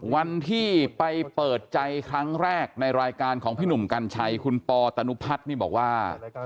วันที่ไปเปิดใจครั้งแรกในรายการของพี่หนุ่มกัญชัยคุณปอตนุพัฒน์นี่บอกว่า